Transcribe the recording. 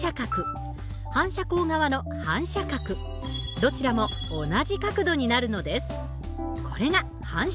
どちらも同じ角度になるのです。